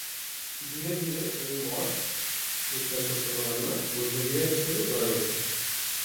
ধীরে ধীরে এই মঠ র্দ্জোগ্স-ছেন বৌদ্ধবিহার হিসেবে গড়ে ওঠে।